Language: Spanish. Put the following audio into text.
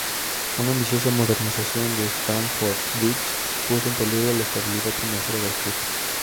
Una ambiciosa modernización de Stamford Bridge puso en peligro la estabilidad financiera del club.